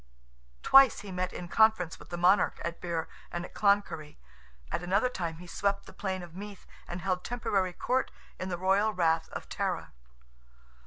Twice he met in conference with the monarch at Birr and at Cloncurry—at another time he swept the plain of Meath, and held temporary court in the royal rath of Tara.